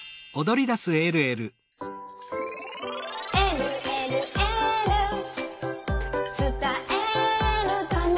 「えるえるエール」「つたえるために」